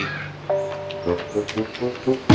baru aja di birth